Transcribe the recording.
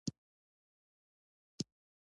ایا زه باید کار وکړم؟